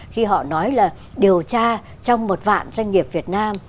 khi họ nói là điều tra trong một vạn doanh nghiệp việt nam